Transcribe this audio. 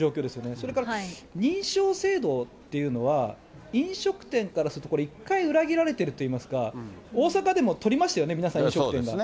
それから認証制度っていうのは、飲食店からすると、これ一回裏切られてるといいますか、大阪でも取りましたよね、皆さん、飲食店が。